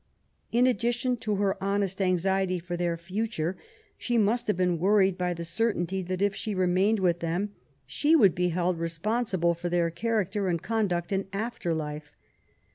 In addition to her honest anxiety for their future, she must have been worried by the certainty that, if she remained with them, she would be held responsible for their character and conduct in after life.